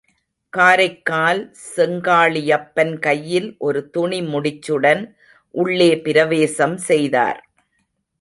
காரைக்கால் செங்காளியப்பன் கையில் ஒரு துணி முடிச்சுடன் உள்ளே பிரவேசம் செய்தார்.